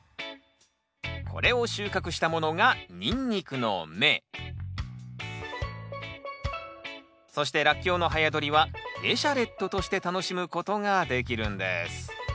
これを収穫したものがそしてラッキョウの早どりはエシャレットとして楽しむことができるんです